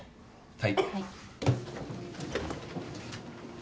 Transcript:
・はい。